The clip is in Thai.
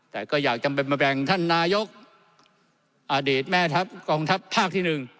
แต่ก็อยากจะมาแบ่งท่านนายกอดีตแม่ทัพกองทัพภาคที่๑